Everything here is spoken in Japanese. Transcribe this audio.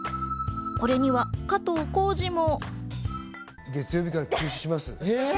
これには加藤浩次も。